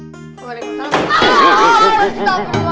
assalamualaikum warahmatullahi wabarakatuh